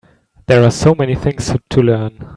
There are so many things to learn.